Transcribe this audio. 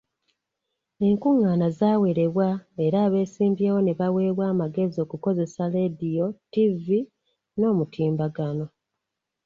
Enkungaana zaawerebwa era abeesimbyewo ne baweebwa amagezi okukozesa leediyo, ttivvi n'omutimbagano.